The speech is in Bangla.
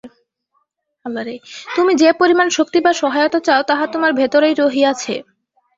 তুমি যে পরিমাণ শক্তি বা সহায়তা চাও, তাহা তোমার ভিতরেই রহিয়াছে।